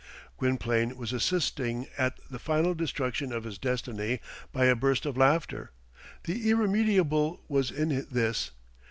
Gwynplaine was assisting at the final destruction of his destiny by a burst of laughter. The irremediable was in this.